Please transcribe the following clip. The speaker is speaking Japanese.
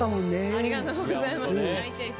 ありがとうございます。